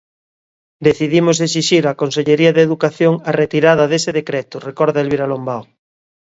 "Decidimos exixir á consellaría de Educación a retirada dese decreto", recorda Elvira Lombao.